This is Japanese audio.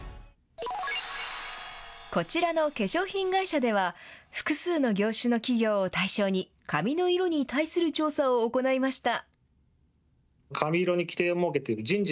こちらの化粧品会社では複数の業種の企業を対象に髪の色に対する調査を行いました。